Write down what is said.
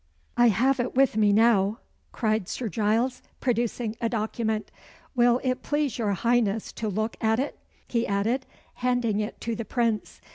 "I have it with me now," cried Sir Giles, producing a document. "Will it please your Highness to look at it?" he added, handing it to the Prince.